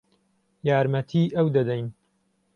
یارمەتیی ئەو دەدەین.